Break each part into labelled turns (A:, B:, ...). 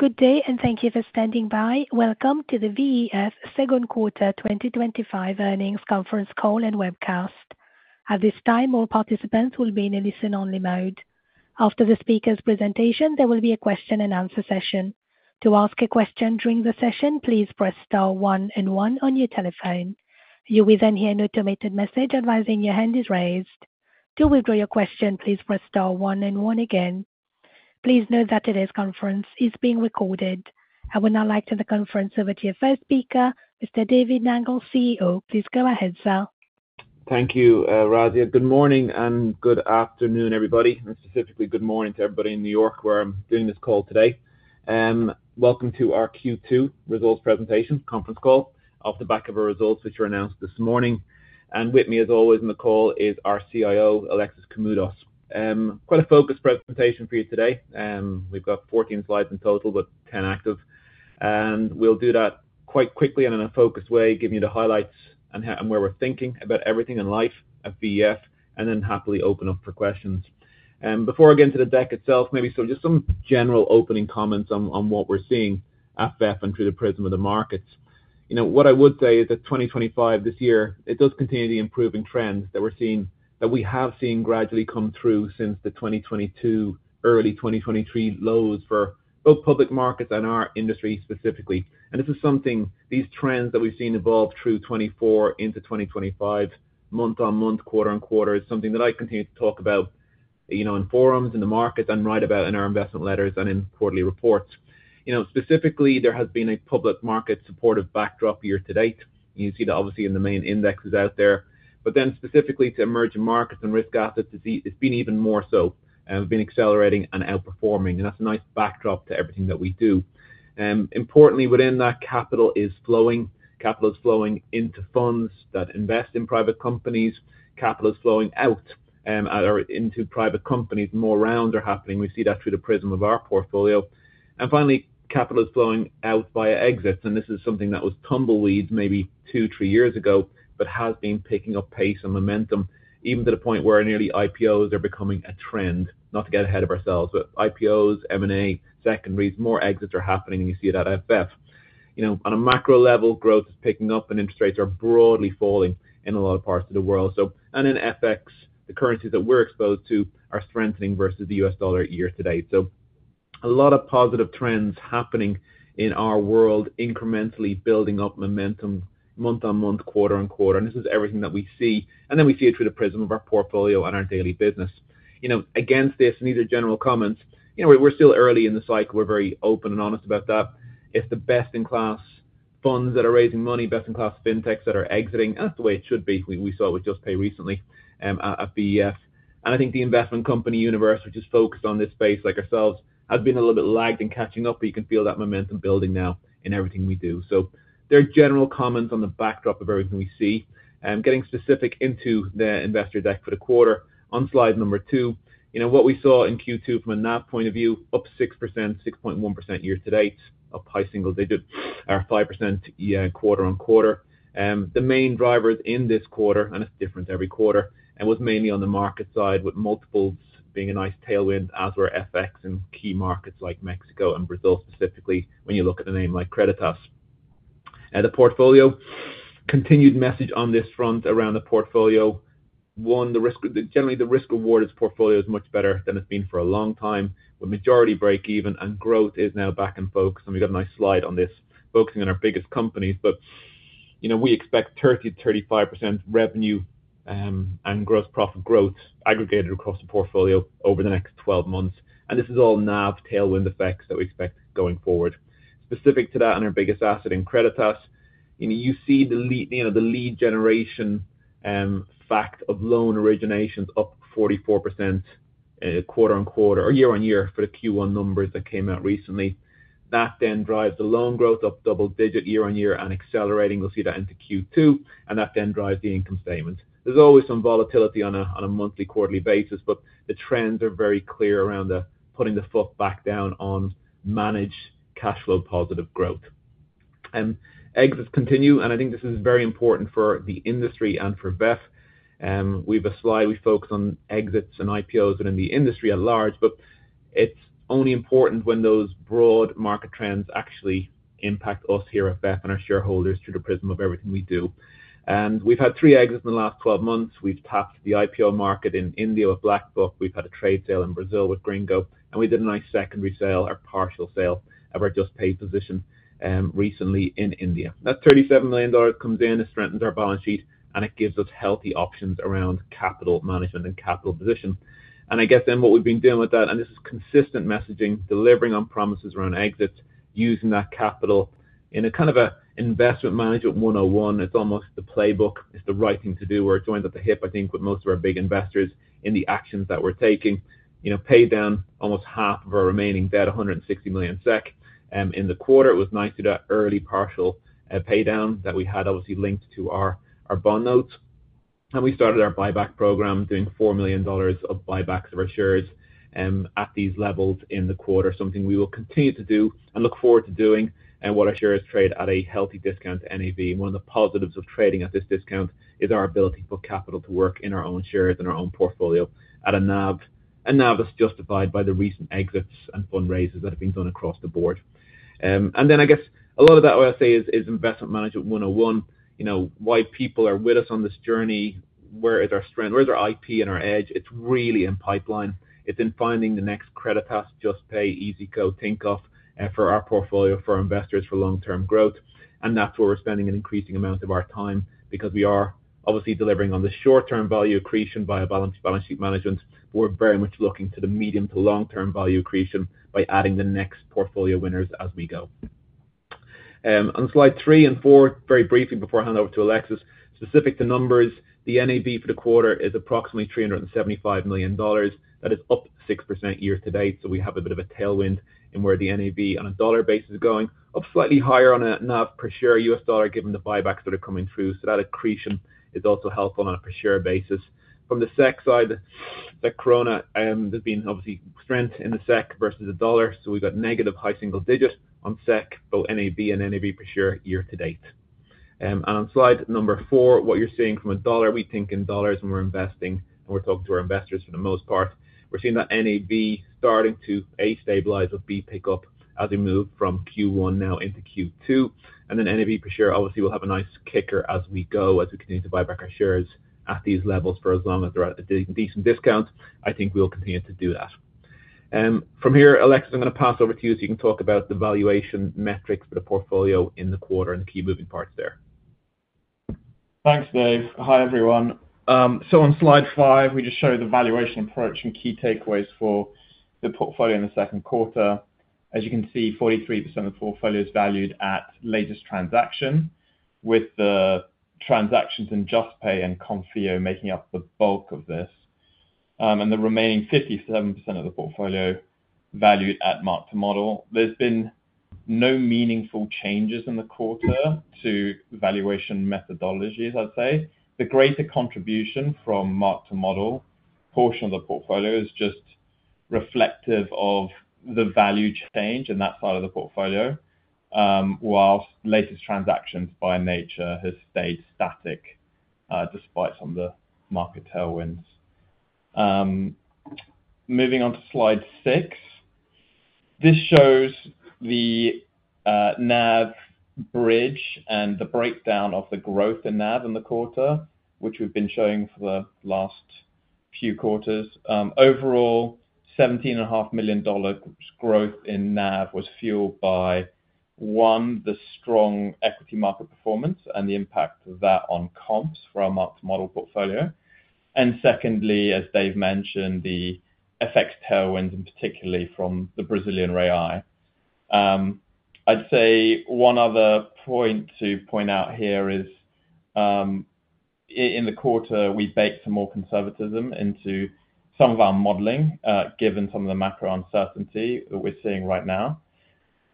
A: Good day and thank you for standing by. Welcome to the VEF AB second quarter 2025 earnings conference call and webcast. At this time, all participants will be in a listen-only mode. After the speaker's presentation, there will be a question and answer session. To ask a question during the session, please press star one and one on your telephone. You will then hear an automated message advising your hand is raised. To withdraw your question, please press star one and one again. Please note that today's conference is being recorded. I will now like to turn the conference to the VEF AB speaker, Mr. David Nangle, CEO. Please go ahead, sir.
B: Thank you, Razia. Good morning and good afternoon, everybody, and specifically good morning to everybody in New York where I'm doing this call today. Welcome to our Q2 results presentation conference call off the back of our results, which were announced this morning. With me, as always, on the call is our CIO, Alexis Koumoudos. Quite a focused presentation for you today. We've got 14 slides in total with 10 active. We'll do that quite quickly and in a focused way, giving you the highlights and where we're thinking about everything in life at VEF and then happily open up for questions. Before I get into the deck itself, maybe just some general opening comments on what we're seeing at VEF and through the prism of the markets. What I would say is that 2025 this year, it does continue the improving trend that we're seeing, that we have seen gradually come through since the 2022, early 2023 lows for both public markets and our industry specifically. These trends that we've seen evolve through 2024 into 2025, month on month, quarter on quarter, is something that I continue to talk about in forums, in the markets, and write about in our investment letters and in quarterly reports. Specifically, there has been a public market supportive backdrop year to date. You see that obviously in the main indexes out there. Specifically to emerging markets and risk assets, it's been even more so, and we've been accelerating and outperforming. That's a nice backdrop to everything that we do. Importantly within that, capital is flowing. Capital is flowing into funds that invest in private companies. Capital is flowing into private companies. More rounds are happening. We see that through the prism of our portfolio. Finally, capital is flowing out via exits. This is something that was tumbleweed maybe two, three years ago, but has been picking up pace and momentum, even to the point where nearly IPOs are becoming a trend. Not to get ahead of ourselves, but IPOs, M&A, secondaries, more exits are happening. You see that at VEF. On a macro level, growth is picking up and interest rates are broadly falling in a lot of parts of the world. In FX, the currencies that we're exposed to are strengthening versus the US dollar year to date. A lot of positive trends happening in our world, incrementally building up momentum month-on-month, quarter-on-quarter. This is everything that we see. We see it through the prism of our portfolio and our daily business. Against this, general comments. We're still early in the cycle. We're very open and honest about that. It's the best-in-class funds that are raising money, best-in-class fintechs that are exiting. That's the way it should be. We saw it with Juspay recently at VEF. I think the investment company universe, which is focused on this space like ourselves, has been a little bit lagged in catching up, but you can feel that momentum building now in everything we do. There are general comments on the backdrop of everything we see. Getting specific into the investor deck for the quarter, on slide number two, what we saw in Q2 from a NAV point of view, up 6%, 6.1% year to date, up high single digit, or 5% quarter-on-quarter. The main drivers in this quarter, and it's different every quarter, were mainly on the market side, with multiples being a nice tailwind as were FX and key markets like Mexico and Brazil specifically, when you look at a name like Creditas. The portfolio, continued message on this front around the portfolio. One, the risk, generally the risk-rewarded portfolio is much better than it's been for a long time, with majority breakeven and growth is now back in focus. We've got a nice slide on this, focusing on our biggest companies. We expect 30%-35% revenue and gross profit growth aggregated across the portfolio over the next 12 months. This is all NAV tailwind effects that we expect going forward. Specific to that and our biggest asset in Creditas, you see the lead generation fact of loan originations up 44% quarter-on-quarter or year-on-year for the Q1 numbers that came out recently. That then drives the loan growth up double digit year-on-year and accelerating. We'll see that into Q2. That then drives the income statement. There's always some volatility on a monthly quarterly basis, but the trends are very clear around putting the foot back down on managed cash flow positive growth. Exits continue, and I think this is very important for the industry and for VEF. We have a slide we focus on exits and IPOs within the industry at large, but it's only important when those broad market trends actually impact us here at VEF and our shareholders through the prism of everything we do. We've had three exits in the last 12 months. We've tapped the IPO market in India with BlackBuck. We've had a trade sale in Brazil with Gringo. We did a nice secondary sale or partial sale of our Juspay position recently in India. That $37 million comes in, it strengthens our balance sheet, and it gives us healthy options around capital management and capital position. What we've been doing with that, and this is consistent messaging, delivering on promises around exits, using that capital in a kind of an investment management 101. It's almost the playbook. It's the right thing to do. We're joined at the hip, I think, with most of our big investors in the actions that we're taking. You know, pay down almost half of our remaining debt, 160 million SEK. In the quarter, it was nice to do that early partial pay down that we had obviously linked to our bond notes. We started our buyback program, doing $4 million of buybacks of our shares at these levels in the quarter, something we will continue to do and look forward to doing, when our shares trade at a healthy discount to NAV. One of the positives of trading at this discount is our ability to put capital to work in our own shares and our own portfolio at a NAV that's justified by the recent exits and fundraises that have been done across the board. A lot of that, I'll say, is investment management 101. You know, why people are with us on this journey, where is our strength, where's our IP and our edge? It's really in pipeline. It's in finding the next Creditas, Juspay, EasyCo, Tinkoff for our portfolio for investors for long-term growth. That's where we're spending an increasing amount of our time because we are obviously delivering on the short-term value accretion via balance sheet management. We're very much looking to the medium to long-term value accretion by adding the next portfolio winners as we go. On slide three and four, very briefly before I hand over to Alexis, specific to numbers, the NAV for the quarter is approximately $375 million. That is up 6% year to date. We have a bit of a tailwind in where the NAV on a dollar basis is going, up slightly higher on a NAV per share US dollar given the buybacks that are coming through. That accretion is also helpful on a per share basis. From the SEK side, the krona, there's been obviously strength in the SEK versus the dollar. We've got negative high single digit on SEK, both NAV and NAV per share year to date. On slide number four, what you're seeing from a dollar, we think in dollars when we're investing, and we're talking to our investors for the most part, we're seeing that NAV starting to, A, stabilize, but, B, pick up as we move from Q1 now into Q2. NAV per share, obviously, will have a nice kicker as we go, as we continue to buy back our shares at these levels for as long as they're at a decent discount. I think we'll continue to do that. From here, Alexis, I'm going to pass over to you so you can talk about the valuation metrics for the portfolio in the quarter and the key moving parts there.
C: Thanks, Dave. Hi, everyone. On slide five, we just showed the valuation approach and key takeaways for the portfolio in the second quarter. As you can see, 43% of the portfolio is valued at latest transaction, with the transactions in Juspay and Konfío making up the bulk of this, and the remaining 57% of the portfolio valued at mark-to-model. There's been no meaningful changes in the quarter to valuation methodologies, I'd say. The greater contribution from mark-to-model portion of the portfolio is just reflective of the value change in that side of the portfolio, whilst latest transactions by nature have stayed static, despite some of the market tailwinds. Moving on to slide six, this shows the NAV bridge and the breakdown of the growth in NAV in the quarter, which we've been showing for the last few quarters. Overall, $17.5 million growth in NAV was fueled by, one, the strong equity market performance and the impact of that on comps for our mark-to-model portfolio. Secondly, as Dave mentioned, the FX tailwinds and particularly from the Brazilian real. I'd say one other point to point out here is, in the quarter, we baked some more conservatism into some of our modeling, given some of the macro uncertainty that we're seeing right now.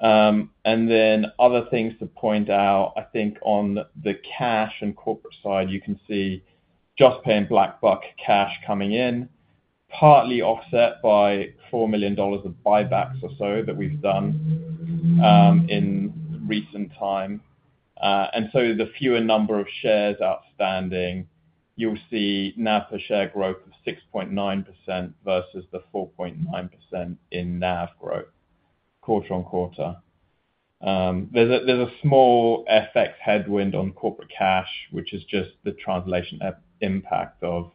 C: Other things to point out, I think on the cash and corporate side, you can see Juspay and BlackBuck cash coming in, partly offset by $4 million of buybacks or so that we've done in recent time. The fewer number of shares outstanding, you'll see NAV per share growth of 6.9% versus the 4.9% in NAV growth quarter-on-quarter. There's a small FX headwind on corporate cash, which is just the translation impact of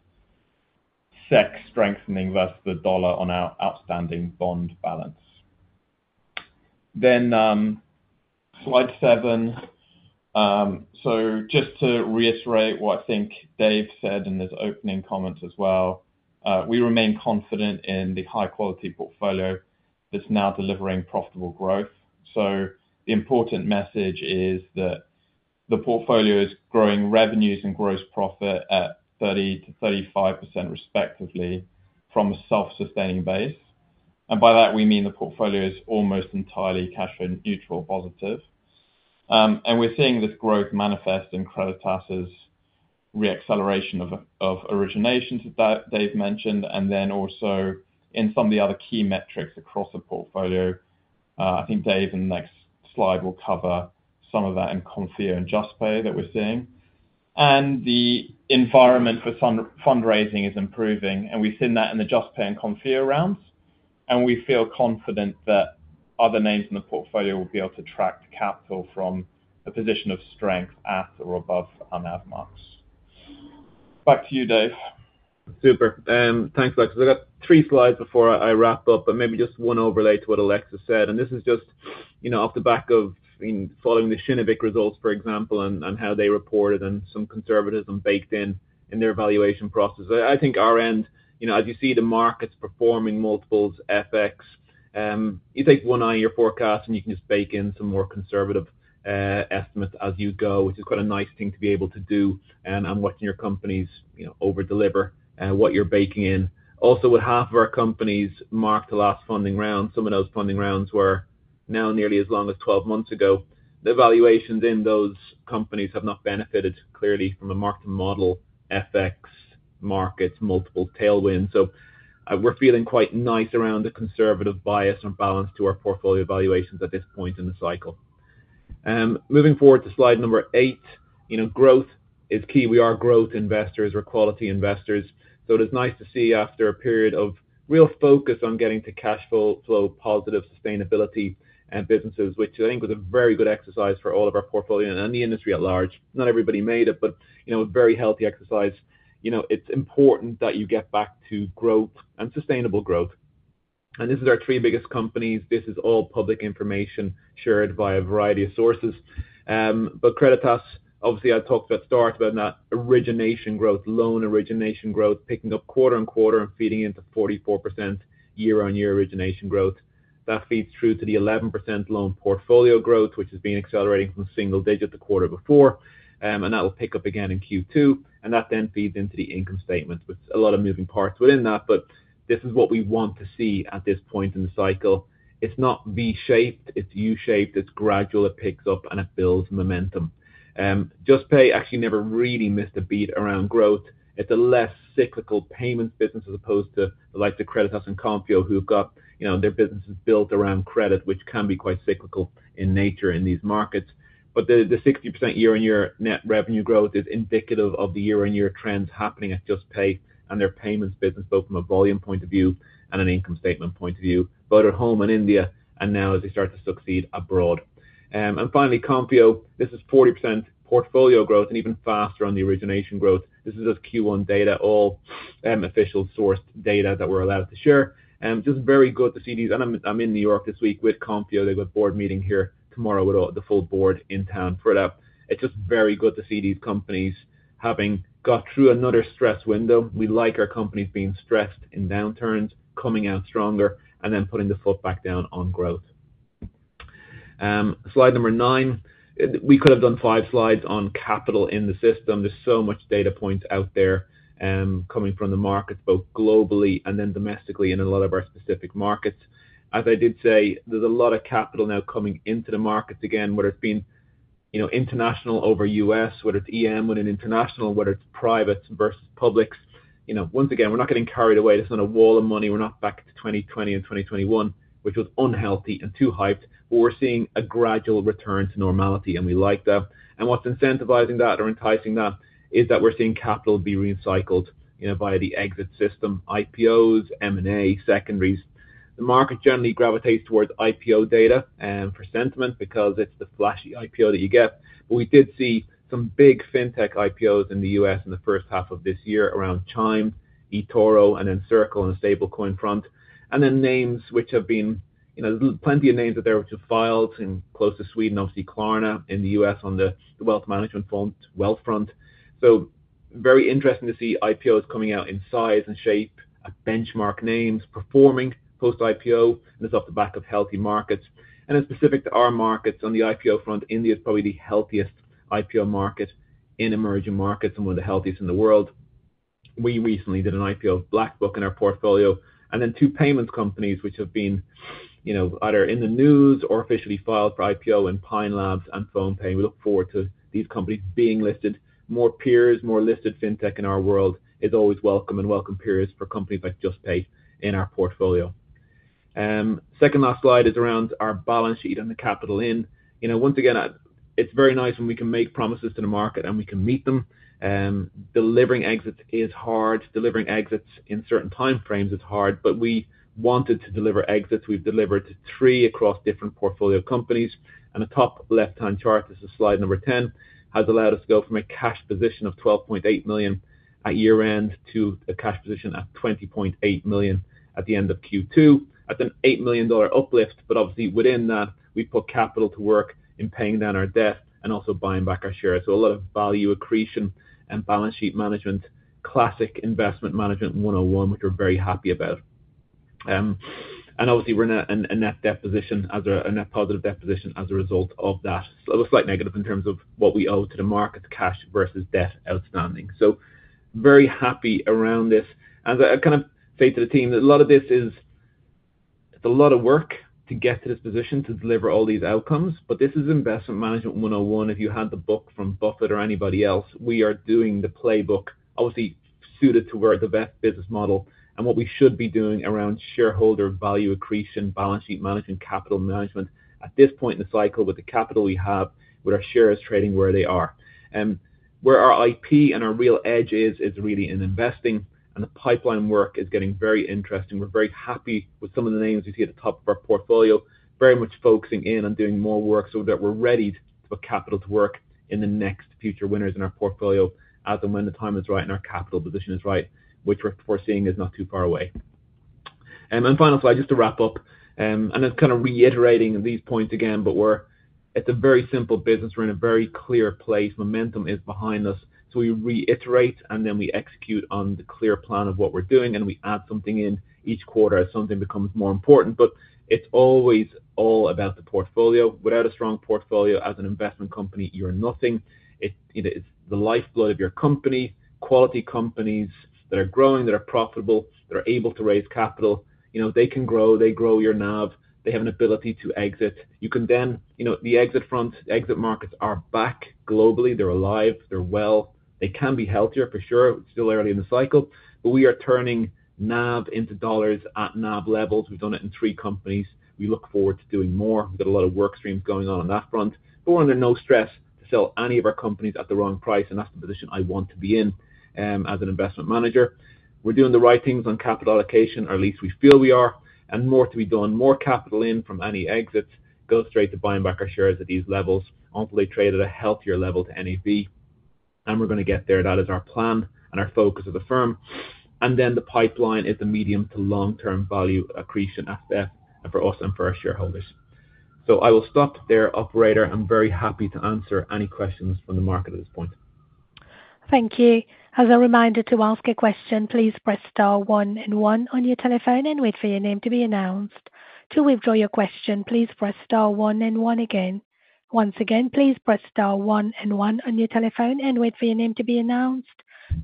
C: SEK strengthening versus the dollar on our outstanding bond balance. Slide seven. Just to reiterate what I think David said in his opening comments as well, we remain confident in the high-quality portfolio that's now delivering profitable growth. The important message is that the portfolio is growing revenues and gross profit at 30%-35% respectively from a self-sustaining base. By that, we mean the portfolio is almost entirely cash flow neutral positive. We're seeing this growth manifest in Creditas's reacceleration of originations that David mentioned, and also in some of the other key metrics across the portfolio. I think David in the next slide will cover some of that in Konfío and Juspay that we're seeing. The environment for fundraising is improving, and we've seen that in the Juspay and Konfío rounds. We feel confident that other names in the portfolio will be able to attract capital from a position of strength at or above our NAV marks. Back to you, David.
B: Super. Thanks, Alexis. I've got three slides before I wrap up, but maybe just one overlay to what Alexis said. This is just, you know, off the back of, I mean, following the Shinevic results, for example, and how they reported and some conservatism baked in in their evaluation process. I think our end, you know, as you see the markets performing multiples, FX, you take one eye in your forecast and you can just bake in some more conservative estimates as you go, which is quite a nice thing to be able to do and watching your companies, you know, over-deliver what you're baking in. Also, with half of our companies marked the last funding round, some of those funding rounds were now nearly as long as 12 months ago. The valuations in those companies have not benefited clearly from a mark-to-model FX market's multiple tailwind. We're feeling quite nice around the conservative bias and balance to our portfolio valuations at this point in the cycle. Moving forward to slide number eight, you know, growth is key. We are growth investors. We're quality investors. It is nice to see after a period of real focus on getting to cash flow positive sustainability and businesses, which I think was a very good exercise for all of our portfolio and the industry at large. Not everybody made it, but, you know, a very healthy exercise. It's important that you get back to growth and sustainable growth. This is our three biggest companies. This is all public information shared via a variety of sources. Creditas, obviously, I talked at start about that origination growth, loan origination growth picking up quarter on quarter and feeding into 44% year on year origination growth. That feeds through to the 11% loan portfolio growth, which has been accelerating from single digit the quarter before. That will pick up again in Q2. That then feeds into the income statement with a lot of moving parts within that. This is what we want to see at this point in the cycle. It's not V-shaped. It's U-shaped. It's gradual. It picks up and it builds momentum. Juspay actually never really missed a beat around growth. It's a less cyclical payments business as opposed to the likes of Creditas and Konfío, who have got, you know, their businesses built around credit, which can be quite cyclical in nature in these markets. The 60% year-on-year net revenue growth is indicative of the year-on-year trends happening at Juspay and their payments business, both from a volume point of view and an income statement point of view, both at home in India and now as they start to succeed abroad. Finally, Konfío, this is 40% portfolio growth and even faster on the origination growth. This is just Q1 data, all official source data that we're allowed to share. Just very good to see these. I'm in New York this week with Konfío. They've got a board meeting here tomorrow with the full board in town for that. It's just very good to see these companies having got through another stress window. We like our companies being stressed in downturns, coming out stronger, and then putting the foot back down on growth. Slide number nine. We could have done five slides on capital in the system. There's so much data points out there, coming from the market, both globally and then domestically in a lot of our specific markets. As I did say, there's a lot of capital now coming into the markets again, whether it be international over U.S., whether it's EM within international, whether it's private versus public. We're not getting carried away. This is not a wall of money. We're not back to 2020 and 2021, which was unhealthy and too hyped. We're seeing a gradual return to normality, and we like that. What's incentivizing that or enticing that is that we're seeing capital be recycled via the exit system, IPOs, M&A, secondaries. The market generally gravitates towards IPO data for sentiment because it's the flashy IPO that you get. We did see some big fintech IPOs in the U.S. in the first half of this year around Chime, eToro, and then Circle on the stablecoin front. Names which have been, you know, plenty of names are there, which have filed in close to Sweden, obviously Klarna in the U.S. on the wealth management front, Wealthfront. Very interesting to see IPOs coming out in size and shape, benchmark names performing post-IPO, and it's off the back of healthy markets. Specific to our markets on the IPO front, India is probably the healthiest IPO market in emerging markets and one of the healthiest in the world. We recently did an IPO of BlackBuck in our portfolio. Two payments companies, which have been, you know, either in the news or officially filed for IPO in Pine Labs and PhonePe. We look forward to these companies being listed. More peers, more listed fintech in our world is always welcome, and welcome peers for companies like Juspay in our portfolio. Second last slide is around our balance sheet and the capital in. You know, once again, it's very nice when we can make promises to the market and we can meet them. Delivering exits is hard. Delivering exits in certain timeframes is hard, but we wanted to deliver exits. We've delivered three across different portfolio companies. The top left-hand chart, this is slide number 10, has allowed us to go from a cash position of $12.8 million at year-end to a cash position at $20.8 million at the end of Q2 at an $8 million uplift. Obviously within that, we put capital to work in paying down our debt and also buying back our shares. A lot of value accretion and balance sheet management, classic investment management 101, which we're very happy about. Obviously we're in a net deposition as a net positive deposition as a result of that. A little slight negative in terms of what we owe to the market, cash versus debt outstanding. Very happy around this. As I kind of say to the team, a lot of this is, it's a lot of work to get to this position to deliver all these outcomes, but this is investment management 101. If you had the book from Buffett or anybody else, we are doing the playbook, obviously suited to work the best business model. What we should be doing around shareholder value accretion, balance sheet management, capital management at this point in the cycle with the capital we have, with our shares trading where they are. Where our IP and our real edge is, is really in investing. The pipeline work is getting very interesting. We're very happy with some of the names you see at the top of our portfolio, very much focusing in on doing more work so that we're ready for capital to work in the next future winners in our portfolio as and when the time is right and our capital position is right, which we're foreseeing is not too far away. Final slide, just to wrap up, and it's kind of reiterating these points again, but we're, it's a very simple business. We're in a very clear place. Momentum is behind us. We reiterate and then we execute on the clear plan of what we're doing. We add something in each quarter as something becomes more important. It's always all about the portfolio. Without a strong portfolio as an investment company, you're nothing. It's the lifeblood of your company, quality companies that are growing, that are profitable, that are able to raise capital. They can grow, they grow your NAV, they have an ability to exit. You can then, the exit front, the exit markets are back globally. They're alive, they're well. They can be healthier for sure. It's still early in the cycle, but we are turning NAV into dollars at NAV levels. We've done it in three companies. We look forward to doing more. We've got a lot of workstreams going on on that front, but we're under no stress to sell any of our companies at the wrong price. That's the position I want to be in as an investment manager.
C: We're doing the right things on capital allocation, or at least we feel we are, and more to be done. More capital in from any exits goes straight to buying back our shares at these levels, ultimately trade at a healthier level to NAV. We're going to get there. That is our plan and our focus of the firm. The pipeline is the medium to long-term value accretion at VEF and for us and for our shareholders. I will stop there, operator. I'm very happy to answer any questions from the market at this point.
A: Thank you. As a reminder to ask a question, please press star one and one on your telephone and wait for your name to be announced. To withdraw your question, please press star one and one again. Once again, please press star one and one on your telephone and wait for your name to be announced.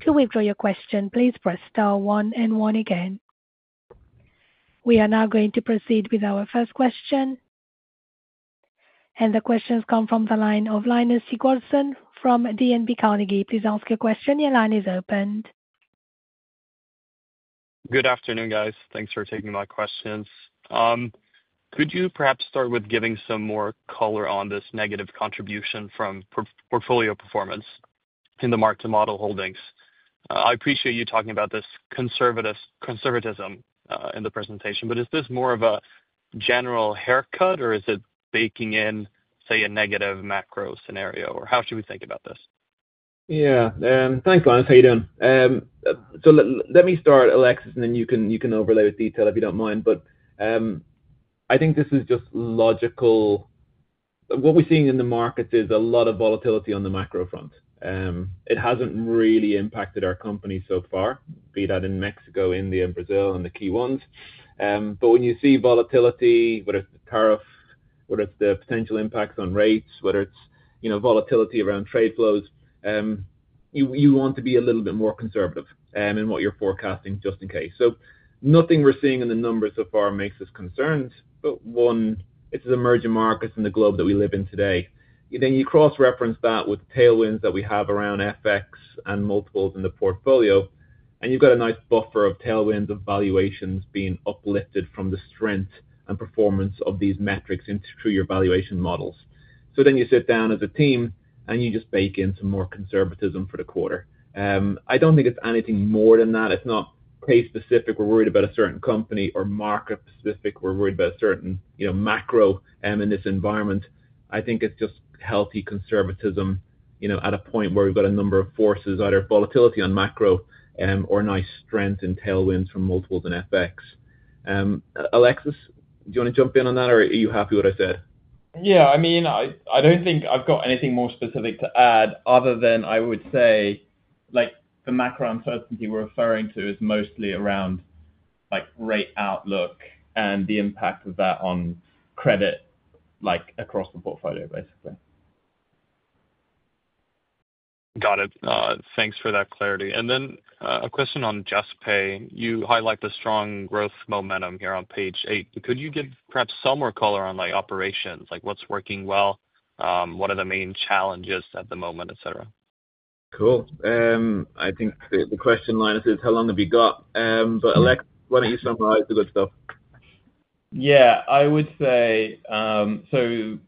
A: To withdraw your question, please press star one and one again. We are now going to proceed with our first question. The questions come from the line of Linus Sigurdsson from DNB Carnegie. Please ask your question. Your line is opened.
D: Good afternoon, guys. Thanks for taking my questions. Could you perhaps start with giving some more color on this negative contribution from portfolio performance in the mark-to-model holdings? I appreciate you talking about this conservatism in the presentation, but is this more of a general haircut or is it baking in, say, a negative macro scenario? How should we think about this?
B: Yeah, thanks, Linus. How are you doing? Let me start, Alexis, and then you can overlay with detail if you don't mind. I think this is just logical. What we're seeing in the markets is a lot of volatility on the macro front. It hasn't really impacted our company so far, be that in Mexico, India, and Brazil and the key ones. When you see volatility, whether it's the tariffs, whether it's the potential impacts on rates, whether it's, you know, volatility around trade flows, you want to be a little bit more conservative in what you're forecasting just in case. Nothing we're seeing in the numbers so far makes us concerned. One, it's emerging markets in the globe that we live in today. You cross-reference that with tailwinds that we have around FX and multiples in the portfolio. You've got a nice buffer of tailwinds of valuations being uplifted from the strength and performance of these metrics through your valuation models. You sit down as a team and you just bake into more conservatism for the quarter. I don't think it's anything more than that. It's not case specific. We're worried about a certain company or market specific. We're worried about a certain, you know, macro in this environment. I think it's just healthy conservatism, you know, at a point where we've got a number of forces, either volatility on macro or nice strength in tailwinds from multiples in FX. Alexis, do you want to jump in on that or are you happy with what I said?
C: Yeah, I mean, I don't think I've got anything more specific to add other than I would say the macro uncertainty we're referring to is mostly around rate outlook and the impact of that on credit, like across the portfolio, basically.
D: Got it. Thanks for that clarity. A question on Juspay. You highlight the strong growth momentum here on page eight. Could you give perhaps some more color on operations, like what's working well, what are the main challenges at the moment, et cetera?
B: Cool. I think the question line is how long have you got? Alex, why don't you summarize the good stuff?
C: Yeah, I would say, so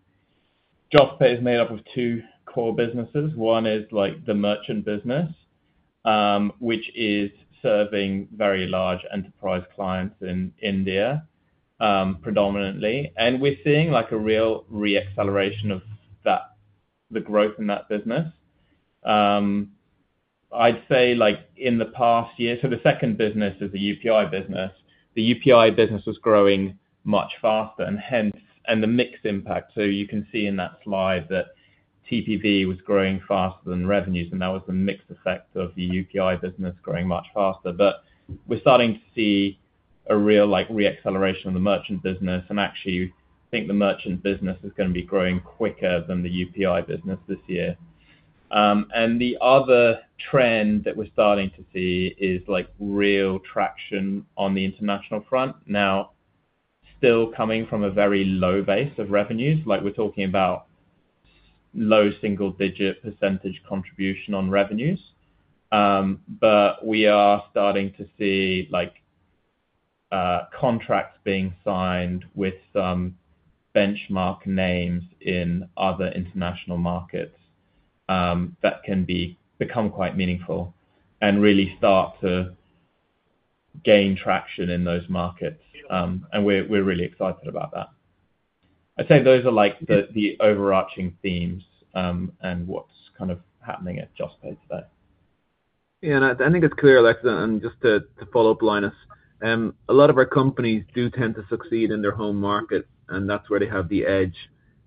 C: Juspay is made up of two core businesses. One is like the merchant business, which is serving very large enterprise clients in India predominantly. We're seeing a real reacceleration of the growth in that business. I'd say in the past year, the second business is the UPI business. The UPI business was growing much faster and the mixed impact. You can see in that slide that TPV was growing faster than revenues. That was the mixed effect of the UPI business growing much faster. We're starting to see a real reacceleration of the merchant business. Actually, I think the merchant business is going to be growing quicker than the UPI business this year. The other trend that we're starting to see is real traction on the international front. Still coming from a very low base of revenues, we're talking about low single-digit percentage contribution on revenues. We are starting to see contracts being signed with some benchmark names in other international markets that can become quite meaningful and really start to gain traction in those markets. We're really excited about that. I'd say those are the overarching themes and what's kind of happening at Juspay today.
B: Yeah, I think it's clear, Alexis, and just to follow up, Linus, a lot of our companies do tend to succeed in their home market, and that's where they have the edge.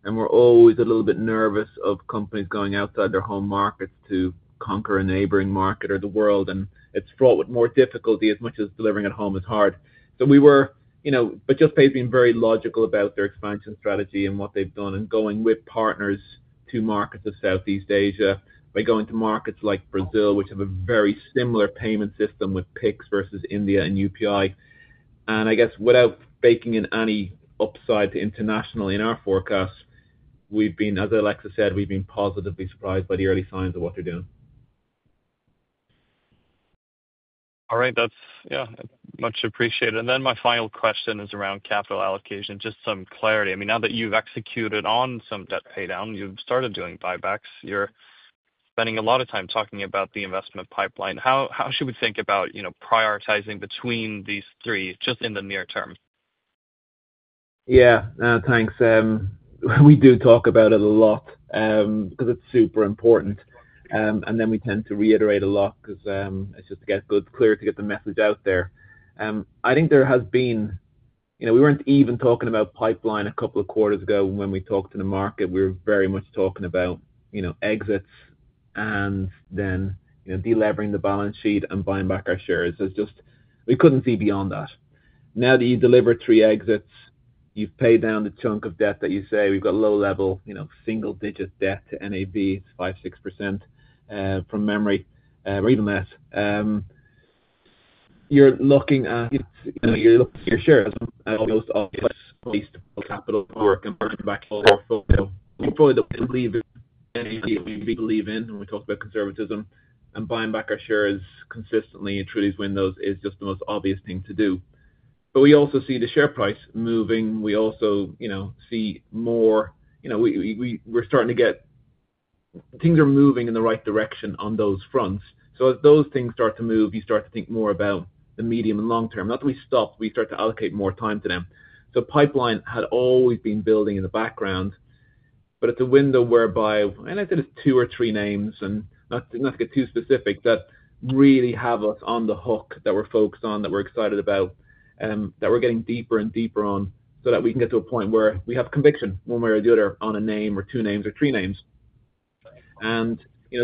B: We're always a little bit nervous of companies going outside their home market to conquer a neighboring market or the world. It's fraught with more difficulty as much as delivering at home is hard. Juspay has been very logical about their expansion strategy and what they've done, going with partners to markets of Southeast Asia, by going to markets like Brazil, which have a very similar payment system with PIX versus India and UPI. I guess without baking in any upside to international in our forecast, we've been, as Alexis said, we've been positively surprised by the early signs of what they're doing.
D: All right, that's much appreciated. My final question is around capital allocation, just some clarity. I mean, now that you've executed on some debt pay down, you've started doing buybacks, you're spending a lot of time talking about the investment pipeline. How should we think about prioritizing between these three just in the near term?
C: Yeah, thanks. We do talk about it a lot because it's super important. We tend to reiterate a lot because it's just to get good, clear to get the message out there. I think there has been, you know, we weren't even talking about pipeline a couple of quarters ago when we talked to the market. We were very much talking about exits and then delivering the balance sheet and buying back our shares. We couldn't see beyond that. Now that you deliver three exits, you've paid down the chunk of debt that you say we've got low level, single digit debt to NAV, it's 5% or 6% from memory or even less. You're looking at, you know, you're looking for your shares and all those obvious capital work and bringing back all the portfolio. You probably don't believe in NAV, but we believe in when we talk about conservatism and buying back our shares consistently through these windows is just the most obvious thing to do. We also see the share price moving. We also see more, you know, we're starting to get things are moving in the right direction on those fronts. As those things start to move, you start to think more about the medium and long term. Not that we stop, we start to allocate more time to them. Pipeline had always been building in the background, but it's a window whereby, and I think it's two or three names, and not to get too specific, that really have us on the hook that we're focused on, that we're excited about, that we're getting deeper and deeper on so that we can get to a point where we have conviction one way or the other on a name or two names or three names.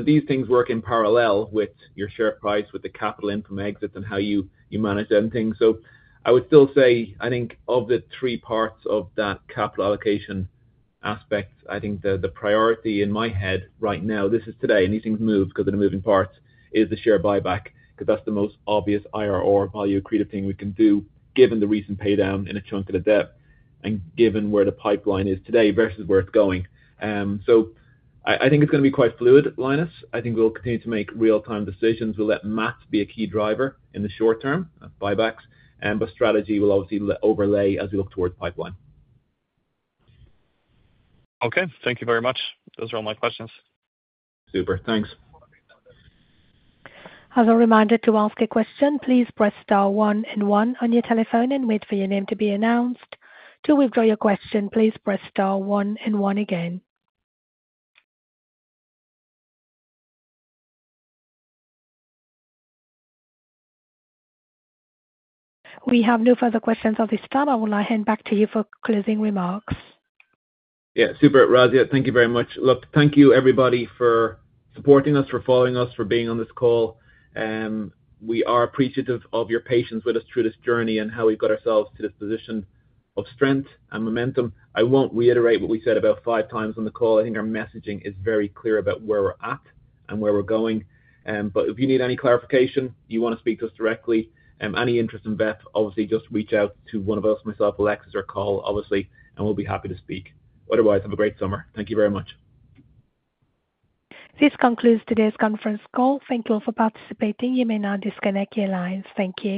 C: These things work in parallel with your share price, with the capital income exits, and how you manage them things. I would still say, I think of the three parts of that capital allocation aspect, I think the priority in my head right now, this is today, and these things move because of the moving parts, is the share buyback because that's the most obvious IRR value accretive thing we can do given the recent pay down in a chunk of the debt and given where the pipeline is today versus where it's going. I think it's going to be quite fluid, Linus. I think we'll continue to make real-time decisions. We'll let math be a key driver in the short term, buybacks, but strategy will obviously overlay as we look towards pipeline.
D: Okay, thank you very much. Those are all my questions.
B: Super, thanks.
A: As a reminder to ask a question, please press star one and one on your telephone and wait for your name to be announced. To withdraw your question, please press star one and one again. We have no further questions at this time. I will now hand back to you for closing remarks.
B: Yeah, super, Razia. Thank you very much. Thank you everybody for supporting us, for following us, for being on this call. We are appreciative of your patience with us through this journey and how we've got ourselves to this position of strength and momentum. I won't reiterate what we said about five times on the call. I think our messaging is very clear about where we're at and where we're going. If you need any clarification, you want to speak to us directly, any interest in VEF, obviously just reach out to one of us, myself, Alexis Koumoudos, or call, obviously, and we'll be happy to speak. Otherwise, have a great summer. Thank you very much.
A: This concludes today's conference call. Thank you all for participating. You may now disconnect your lines. Thank you.